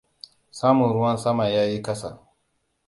Samun ruwan sama yayi ƙasa.